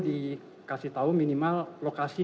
dikasih tahu minimal lokasi